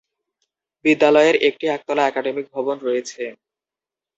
বিদ্যালয়ের একটি একতলা একাডেমিক ভবন রয়েছে।